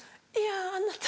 あなた。